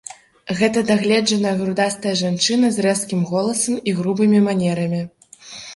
Гэта дагледжаная, грудастая жанчына з рэзкім голасам і грубымі манерамі.